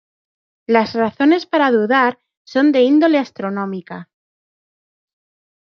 Las razones para dudar son de índole astronómica.